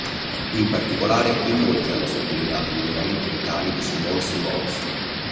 In particolare in molti hanno sottolineato i miglioramenti vocali di Simone Simons.